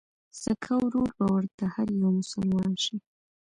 سکه ورور به ورته هر يو مسلمان شي